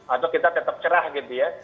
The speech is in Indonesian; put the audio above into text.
atau kita tetap cerah gitu ya